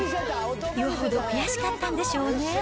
よほど悔しかったんでしょうね。